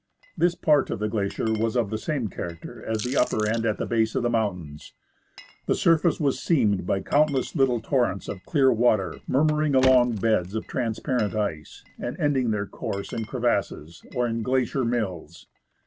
This part of the glacier was of the same character as the upper end at the base of the mountains. The surface was seamed by countless little torrents of clear water murmuring along beds of transparent ice and ending their course in crevasses or in " glacier mills."